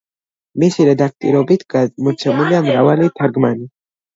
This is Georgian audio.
მისი რედაქტორობით გამოცემულია მრავალი თარგმანი.